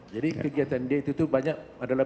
jadi kegiatan dia itu banyak adalah